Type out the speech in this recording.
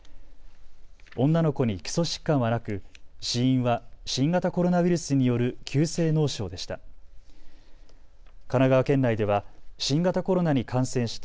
女の子に基礎疾患はなく死因は新型コロナウイルスによる急性脳症でした。